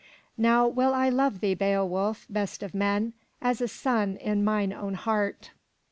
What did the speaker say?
Now will I love thee, Beowulf, best of men, as a son in mine own heart.